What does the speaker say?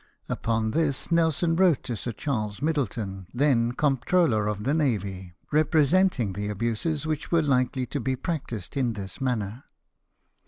Upon this Nelson wrote to Su' Charles Middleton, then Comptroller of the Navy, representing the abuses which were likely to be practised in this manner.